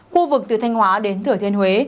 khu vực từ thanh hóa đến thửa thiên huế